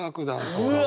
うわ！